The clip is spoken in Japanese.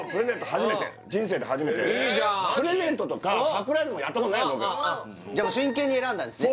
初めて人生で初めていいじゃんプレゼントとかサプライズもやったことないの俺真剣に選んだんですね